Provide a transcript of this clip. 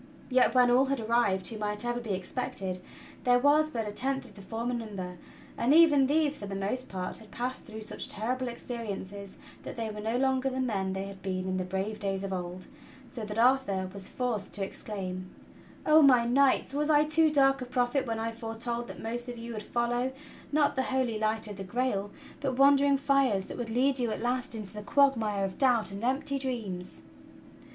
Yet when all had arrived who might ever be expected, there was but a tenth of the former number, and even these, for the most part, had passed through such terrible experi ences that they were no longer the men they had been in the brave days of old ; so that Arthur was forced to exclaim : "Oh, my knights, was I too dark a prophet when I foretold that most of you would follow, not the holy light of the Grail, but wan 143 144 THE STORY OF KING ARTHUR dering fires that would lead you at last into the quagmire of doubt and empty dreams?"